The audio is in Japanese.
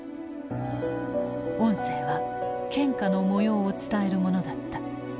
音声は献花の模様を伝えるものだった。